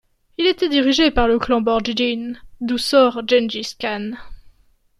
Il était dirigé par le clan Bordjigin d'où sort Gengis Khan.